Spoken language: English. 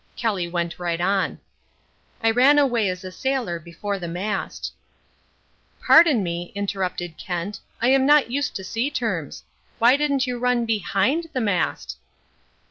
Kelly went right on. "I ran away as a sailor before the mast." "Pardon me," interrupted Kent, "I am not used to sea terms. Why didn't you run behind the mast?"